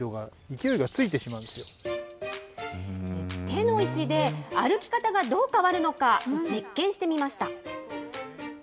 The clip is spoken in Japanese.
手の位置で、歩き方がどう変わるのか、実験してみました。